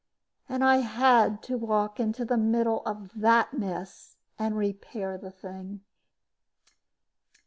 And I had to walk into the middle of that mess and repair the thing.